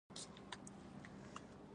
ناڅاپه د ديګ بخار واورېدل شو.